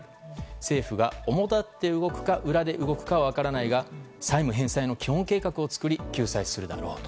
政府が主立って動くか裏で動くかは分からないが債務返済の基本計画を作り救済するだろうと。